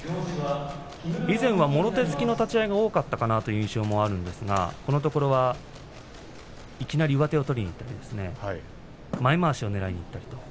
以前は、もろ手突きの立ち合いが多かったという印象がありますが、このところはいきなり上手を取りにいって前まわしをねらいにいっています。